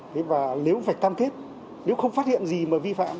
thế và nếu phải cam kết nếu không phát hiện gì mà vi phạm